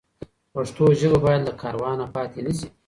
پښتو ژبه باید له کاروانه پاتې نه سي.